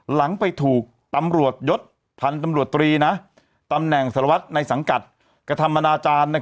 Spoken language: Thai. หลังไปถูกตำรวจยศพันธุ์ตำรวจตรีตำแหน่งสารวัตรในสังกัดกระทำอนาจารย์